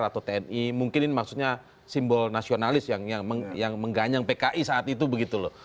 atau tni mungkin ini maksudnya simbol nasionalis yang mengganyang pki saat itu begitu loh